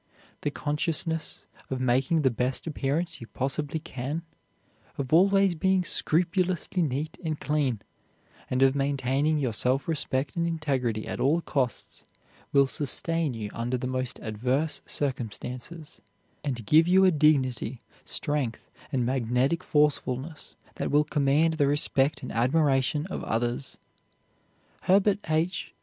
The consciousness of making the best appearance you possibly can, of always being scrupulously neat and clean, and of maintaining your self respect and integrity at all costs, will sustain you under the most adverse circumstances, and give you a dignity, strength, and magnetic forcefulness that will command the respect and admiration of others. Herbert H.